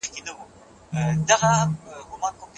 موږ باید په نړۍ کي د یو بل ژوند وساتو.